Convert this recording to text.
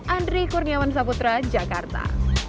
andri kurniawan saputra jakarta